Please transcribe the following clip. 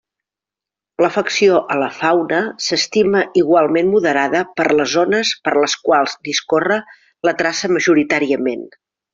L'afecció a la fauna s'estima igualment moderada per les zones per les quals discorre la traça majoritàriament.